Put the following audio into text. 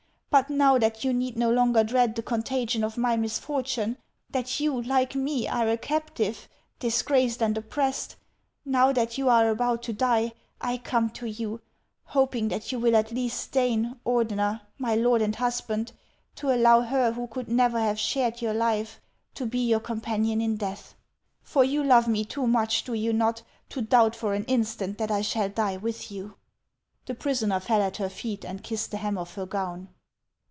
But uow that you need no longer dread the contagion of my misfortune ; that you, like me, are a captive, disgraced and oppressed ; now that you are about to die, I come to you, hoping that you will at least deign, Ordener, my lord and husband, to allow her who could never have shared your life, to be your com panion in death ; for you love me too much, do you not, to doubt for an instant that I shall die with you ?" The prisoner fell at her feet, and kissed the hem of her gown.